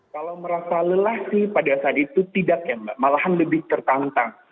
kalau merasa lelah sih pada saat itu tidak ya mbak malahan lebih tertantang